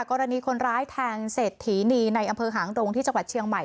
กรณีคนร้ายแทงเศรษฐีนีในอำเภอหางดงที่จังหวัดเชียงใหม่